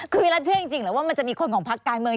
คือวิรัติเชื่อจริงเหรอว่ามันจะมีคนของพักการเมือง